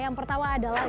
yang pertama adalah